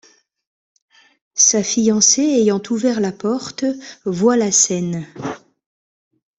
Sa fiancée ayant ouvert la porte voit la scène.